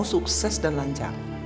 sukses dan lancar